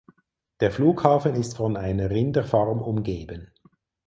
Der Flughafen ist von einer Rinderfarm umgeben.